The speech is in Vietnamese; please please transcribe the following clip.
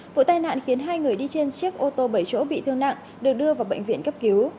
vụ tai nạn khiến hai người đi trên chiếc ô tô bảy chỗ bị thương nặng được đưa vào bệnh viện cấp cứu